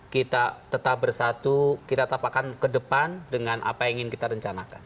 kita tetap bersatu kita tapakkan ke depan dengan apa yang ingin kita rencanakan